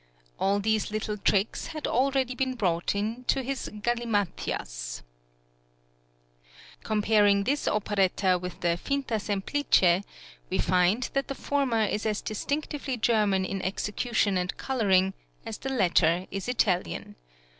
All these little tricks had already been brought in to his "Galimathias" (p. 45). Comparing this operetta with the "Finta Semplice," we find that the former is as distinctively German in execution and colouring as the latter is Italian.